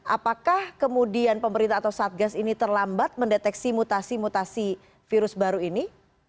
apakah kemudian pemerintah atau satgas ini terlambat mendeteksi mutasi mutasi virus baru ini